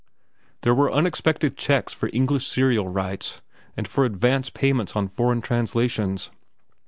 There were unexpected checks for English serial rights and for advance payments on foreign translations.